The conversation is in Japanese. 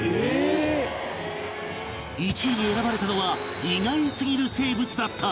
１位に選ばれたのは意外すぎる生物だった